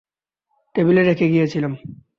টেবিলে রেখে গিয়েছিলাম।